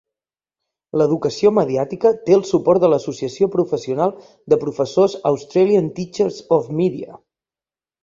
L'educació mediàtica té el suport de l'associació professional de professors Australian Teachers of Media.